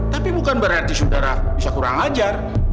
tapi bukan berarti saudara bisa kurang ajar